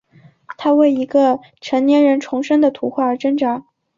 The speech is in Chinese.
他为一个成年人重生的图画而挣扎。